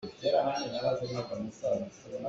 Lungthin cheuhnak caah hi bia hi kan chimh lai.